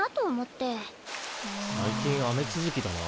最近雨続きだな。